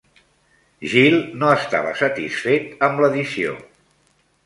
Gil no estava satisfet amb l'edició.